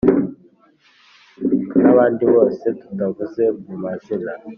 n’abandi bose tutavuze mumazina